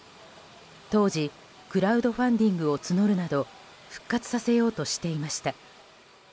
当時クラウドファンディングを募るなど復活させようとしていました。